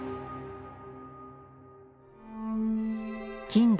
近代